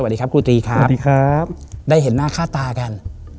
ได้เห็นหน้าค่าตากัน